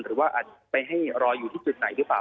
หรือว่าอาจจะไปให้รออยู่ที่จุดไหนหรือเปล่า